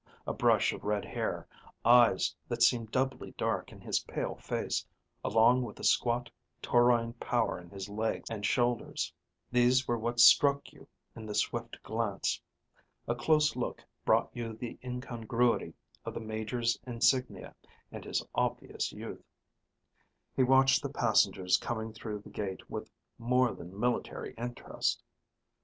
A brush of red hair, eyes that seemed doubly dark in his pale face, along with a squat, taurine power in his legs and shoulders; these were what struck you in the swift glance. A close look brought you the incongruity of the major's insignia and his obvious youth. He watched the passengers coming through the gate with more than military interest.